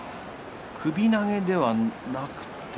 首投げではなくて？